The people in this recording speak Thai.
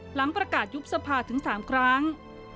หลังประกาศยุบสภาถึง๓ครั้ง